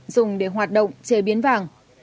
dùng để hoạt động chế biến vàng